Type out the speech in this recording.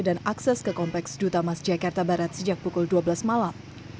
dan akses ke kompleks dutamas jakarta barat sejak pukul dua belas malam